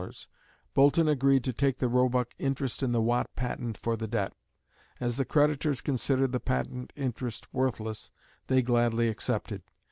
Boulton agreed to take the Roebuck interest in the Watt patent for the debt. As the creditors considered the patent interest worthless, they gladly accepted.